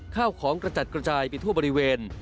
ข้าวของกระจัดกระจายไปทั่วบริเวณ